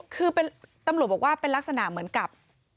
คือตำรวจบอกว่าเป็นลักษณะเหมือนกับ